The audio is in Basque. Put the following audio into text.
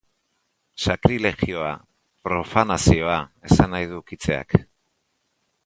Sakrilegioa, profanazioa, esan nahi du ukitzeak.